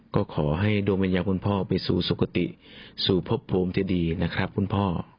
ก็ขอให้โดยมันยังคุณพ่อไปสู่สุขติสู่พบพรมที่ดีนะครับคุณพ่อ